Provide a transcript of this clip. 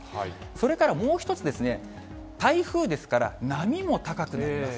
それからもう一つですね、台風ですから、波も高くなります。